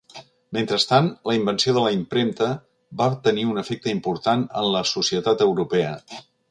Mentrestant, la invenció de la impremta va tenir un efecte important en la societat europea.